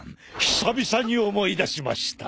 久々に思い出しました！